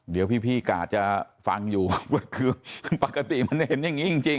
เดี๋ยวพี่กาดจะฟังอยู่คือปกติมันเห็นอย่างนี้จริง